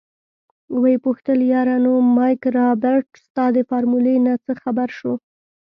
ويې پوښتل يره نو مايک رابرټ ستا د فارمولې نه څه خبر شو.